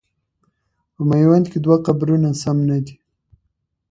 په میوند کې دوه قبرونه سم نه دي.